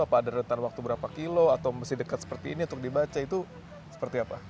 apa ada rentan waktu berapa kilo atau mesti dekat seperti ini untuk dibaca itu seperti apa